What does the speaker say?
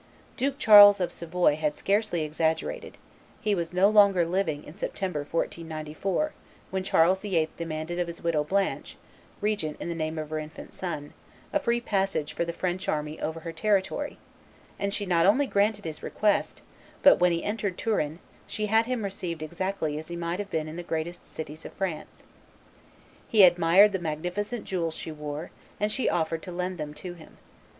Duke Charles of Savoy had scarcely exaggerated; he was no longer living in September, 1494, when Charles VIII, demanded of his widow Blanche, regent in the name of her infant son, a free passage for the French army over her territory, and she not only granted his request, but, when he entered Turin, she had him received exactly as he might have been in the greatest cities of France. He admired the magnificent jewels she wore; and she offered to lend them to him.